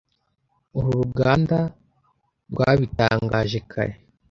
Uru ruganda rwabitangaje kare